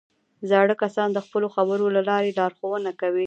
زاړه کسان د خپلو خبرو له لارې لارښوونه کوي